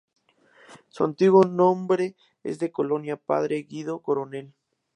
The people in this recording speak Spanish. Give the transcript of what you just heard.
Su antiguo nombre es de Colonia Padre Guido Coronel.